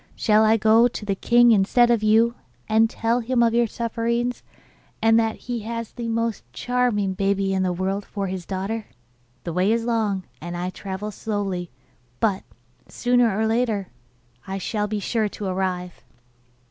Shall I go to the king instead of you, and tell him of your sufferings, and that he has the most charming baby in the world for his daughter? The way is long, and I travel slowly; but, sooner or later, I shall be sure to arrive.